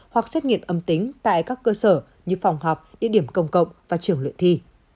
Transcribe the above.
hoặc xét nghiệm âm tính tại các cơ sở như phòng họp địa điểm công cộng và trường luyện thi